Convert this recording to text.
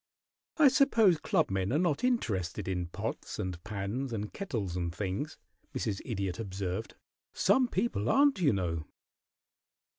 "I suppose clubmen are not interested in pots and pans and kettles and things," Mrs. Idiot observed. "Some people aren't, you know."